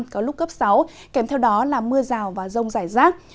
có lúc cấp sáu kèm theo đó là mưa rào và rông rải rác